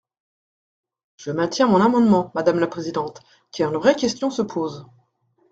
Je maintiens mon amendement, madame la présidente, car une vraie question se pose.